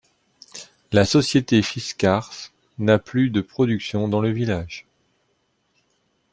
La société Fiskars n'a plus de production dans le village.